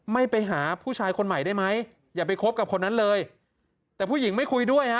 ไม่ไปหาผู้ชายคนใหม่ได้ไหมอย่าไปคบกับคนนั้นเลยแต่ผู้หญิงไม่คุยด้วยฮะ